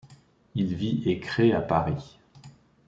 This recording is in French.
Il vit et crée à Paris.